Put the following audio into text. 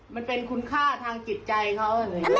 มันเป็นคุณค่าทางจิตใจเขา